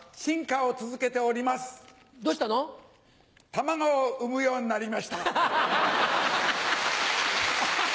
卵を産むようになりました。